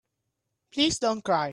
Please don't cry.